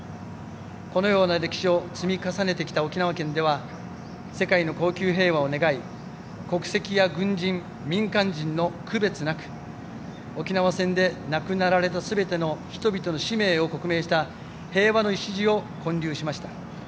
このような歴史を積み重ねてきた沖縄県では世界の恒久平和を願い国籍や軍人、民間人の区別なく沖縄戦で亡くなられたすべての人々の氏名を刻銘した平和の礎を建立しました。